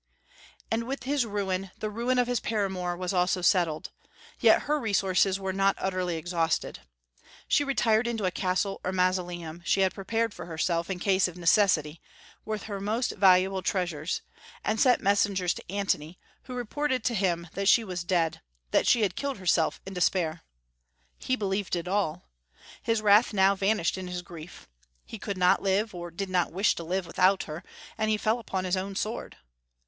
And with his ruin the ruin of his paramour was also settled; yet her resources were not utterly exhausted. She retired into a castle or mausoleum she had prepared for herself in case of necessity, with her most valuable treasures, and sent messengers to Antony, who reported to him that she was dead, that she had killed herself in despair. He believed it all. His wrath now vanished in his grief. He could not live, or did not wish to live, without her; and he fell upon his own sword.